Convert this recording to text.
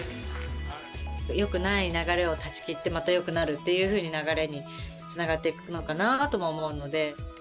よくない流れを断ち切ってまたよくなるというふうに流れにつながっていくのかな